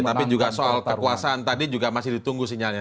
tapi juga soal kekuasaan tadi juga masih ditunggu sinyalnya